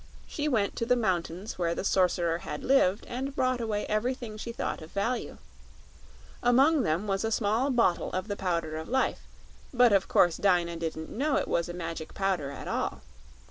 She went to the mountains where the Sorcerer had lived and brought away everything she thought of value. Among them was a small bottle of the Powder of Life; but of course Dyna didn't know it was a Magic Powder, at all.